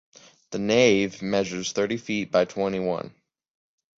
The nave measures thirty feet by twenty-one.